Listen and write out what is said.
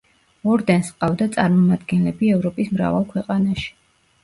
ორდენს ჰყავდა წარმომადგენლები ევროპის მრავალ ქვეყანაში.